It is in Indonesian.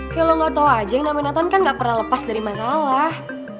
kayak lo gak tau aja yang nama nathan kan gak pernah lepas dari masalah